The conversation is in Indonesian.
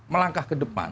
melangkah ke depan